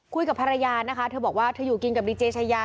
คุยกับภรรยานะคะเธอบอกว่าเธออยู่กินกับดีเจชายา